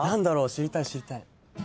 知りたい知りたい。